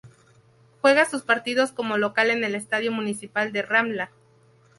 Juega sus partidos como local en el Estadio Municipal de Ramla.